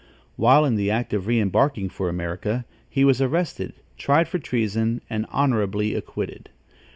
While in the act of re embarking for America, he was arrested, tried for treason and honorably acquitted.